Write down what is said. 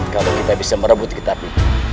kalau kita bisa merebut ketapi